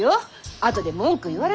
あとで文句言われても。